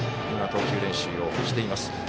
投球練習をしています。